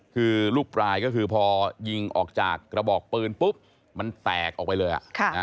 คือลูกปลายก็คือพอยิงออกจากกระบอกปืนปุ๊บมันแตกออกไปเลย